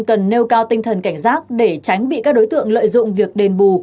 cần nêu cao tinh thần cảnh giác để tránh bị các đối tượng lợi dụng việc đền bù